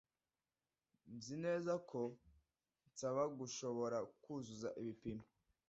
Nzi neza ko nsaba gushobora kuzuza ibipimo